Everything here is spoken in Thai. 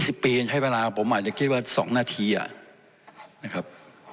สิบปีใช้เวลาผมอาจจะคิดว่าสองนาทีอ่ะนะครับ